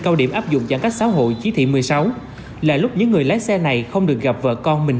cao điểm áp dụng giãn cách xã hội chỉ thị một mươi sáu là lúc những người lái xe này không được gặp vợ con mình